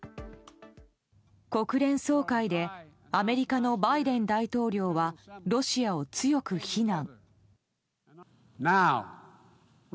国連総会でアメリカのバイデン大統領はロシアを強く非難。